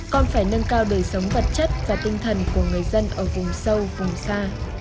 còn phải nâng cao đời sống vật chất và tinh thần của người dân ở vùng sâu vùng xa